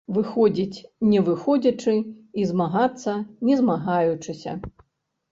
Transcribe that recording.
Выходзіць не выходзячы і змагацца не змагаючыся.